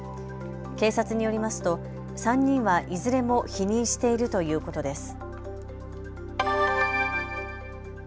警察によりますと３人はいずれも否認しているということです。